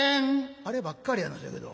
「あればっかりやなそやけど。